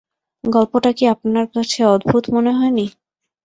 গল্পটা কি আপনার কাছে অদ্ভুত মনে হয় নি?